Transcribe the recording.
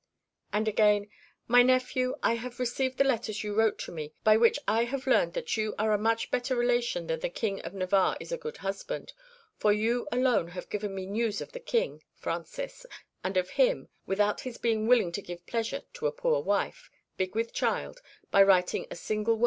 (2) And again: "My nephew, I have received the letters you wrote to me, by which I have learnt that you are a much better relation than the King of Navarre is a good husband, for you alone have given me news of the King (Francis) and of him, without his being willing to give pleasure to a poor wife, big with child, by writing a single word to her."